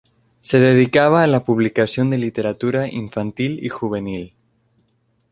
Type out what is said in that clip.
Se dedicaba a la publicación de literatura infantil y juvenil.